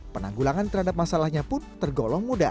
penanggulangan terhadap masalahnya pun tergolong mudah